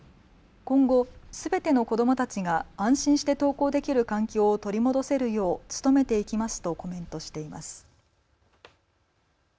今後、すべての子どもたちが安心して登校できる環境を取り戻せるよう努めていきますとコメントしています。